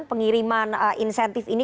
pengiriman insentif ini